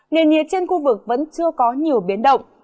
nền nhiệt trên khu vực vẫn chưa có nhiều biến động